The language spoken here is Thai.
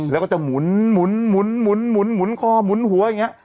แล้วก็จะหมุนหมุนข้อห่วงหัวอย่างนี้